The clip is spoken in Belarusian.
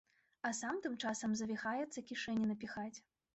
А сам тым часам завіхаецца кішэні напіхаць.